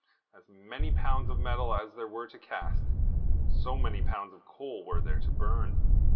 As many pounds of metal as there were to cast, so many pounds of coal were there to burn.